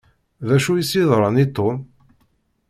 D acu i s-yeḍṛan i Tom?